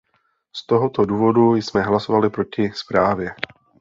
Z tohoto důvodu jsme hlasovali proti zprávě.